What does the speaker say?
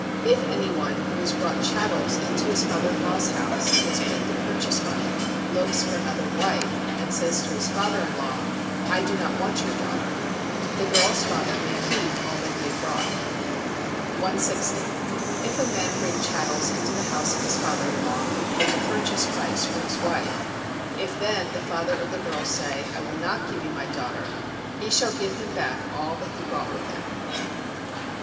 If any one, who has brought chattels into his father in law's house, and has paid the purchase money, looks for another wife, and says to his father in law: "I do not want your daughter," the girl's father may keep all that he had brought. 160. If a man bring chattels into the house of his father in law, and pay the "purchase price" [for his wife]: if then the father of the girl say: "I will not give you my daughter," he shall give him back all that he brought with him.